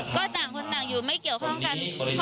ก็ต่างคนต่างอยู่ไม่เกี่ยวข้องกัน